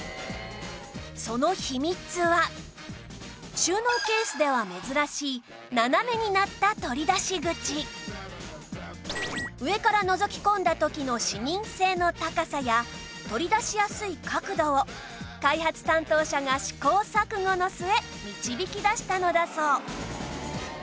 その秘密は収納ケースでは珍しい上からのぞき込んだ時の視認性の高さや取り出しやすい角度を開発担当者が試行錯誤の末導き出したのだそう